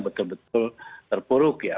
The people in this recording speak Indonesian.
betul betul terpuruk ya